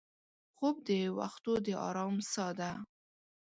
خوب د وختو د ارام سا ده